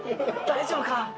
大丈夫か？